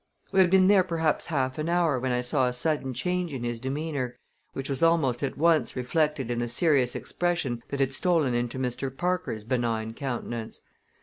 We had been there perhaps half an hour when I saw a sudden change in his demeanor, which was almost at once reflected in the serious expression that had stolen into Mr. Parker's benign countenance.